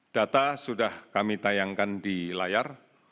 data sudah kami tayangkan di layar